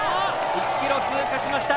１ｋｍ通過しました。